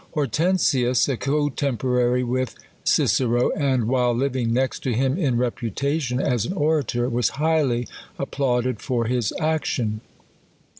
Hortensius, a cotcmporary with Cicero, and while living, next to hijn in reputation as an orator, was highly applauded for his action.